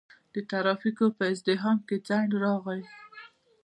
د ترافیکو په ازدحام کې ځنډ راغی.